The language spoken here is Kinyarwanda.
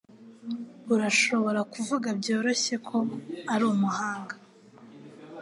Urashobora kuvuga byoroshye ko ari umuhanga.